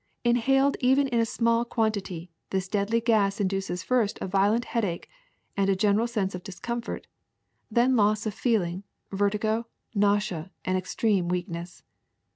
Inhaled even in a small quantity, this deadly gas induces first a violent headache and a general sense of discomfort, then loss of feeling, vertigo, nausea, and extreme weakness.